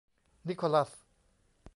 นิโคลัส